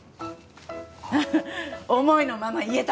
フフッ思いのまま言えたのね？